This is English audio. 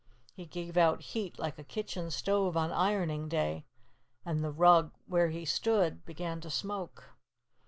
He gave out heat like a kitchen stove on ironing day, and the rug where he stood began to smoke.